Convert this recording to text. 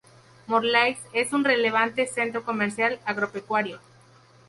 Morlaix es un relevante centro comercial agropecuario.